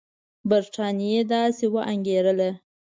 برټانیې داسې وانګېرله.